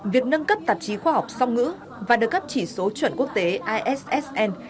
việc nâng cấp tạp chí khoa học song ngữ và được cấp chỉ số chuẩn quốc tế issn